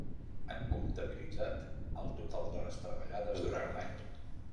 Han comptabilitzat el total d'hores treballades durant un any.